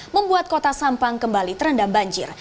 membuat kota sampang kembali terendam banjir